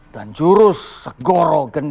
dan jurus segoro geni